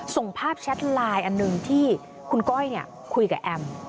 ส่งภาพแชทไลน์อันหนึ่งที่คุณก้อยคุยกับแอม